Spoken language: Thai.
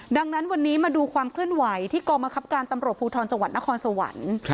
ดังนั้นวันนี้มาดูความเคลื่อนไหวที่กรมคับการตำรวจภูทรจังหวัดนครสวรรค์